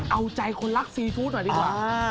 เอาใจคนรักซีฟู้ดหน่อยดีกว่า